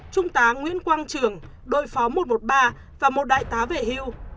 trung tá nguyễn quang trường đội phó một trăm một mươi ba và một đại tá về hưu